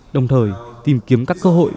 đồng thời tìm kiếm các cơ hội